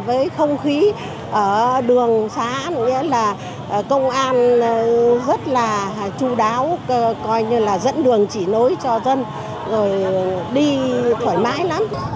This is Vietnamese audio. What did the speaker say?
với không khí ở đường xã công an rất là chú đáo dẫn đường chỉ nối cho dân đi thoải mái lắm